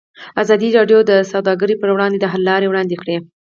ازادي راډیو د سوداګري پر وړاندې د حل لارې وړاندې کړي.